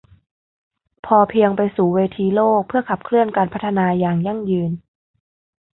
พอเพียงไปสู่เวทีโลกเพื่อขับเคลื่อนการพัฒนาอย่างยั่งยืน